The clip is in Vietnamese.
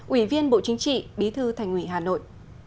ủy viên bộ chính trị bí thư thành ủy hà nội